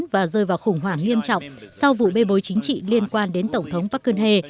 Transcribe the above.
và rơi vào khủng hoảng nghiêm trọng sau vụ bê bối chính trị liên quan đến tổng thống park geun hye